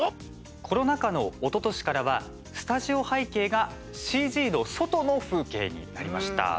コロナ禍のおととしからはスタジオ背景がＣＧの外の風景になりました。